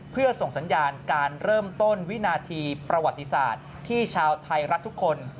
เพื่อส่งสัญญาณการเริ่มต้นวินาทีประวัติศาสตร์ที่ชาวไทยรัฐทุกคน